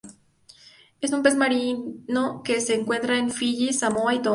Es un pez marino que se encuentra en Fiyi, Samoa y Tonga.